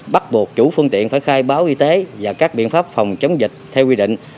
bắt buộc chủ phương tiện phải khai báo y tế và các biện pháp phòng chống dịch theo quy định